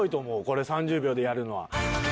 これ３０秒でやるのは。